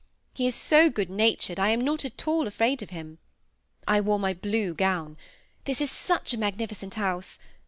He is bo good natured, I am not at all afraid of him. I wore mj blue gown. This is such a magnificent house.